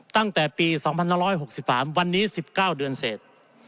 ตั้งแต่ปี๒๑๖๓วันนี้๑๙เดือนเสร็จ